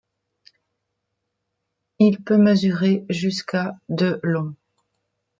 Il peut mesurer jusqu'à de long.